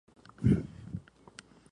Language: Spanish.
Welcome Back!